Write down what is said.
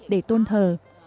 để tôn thờ